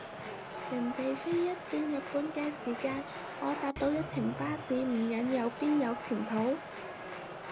人哋飛一轉日本嘅時間，我搭到一程巴士，唔忍又邊有前途？